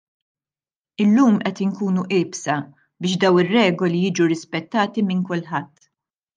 Illum qed ikunu iebsa biex dawn ir-regoli jiġu rispettati minn kulħadd.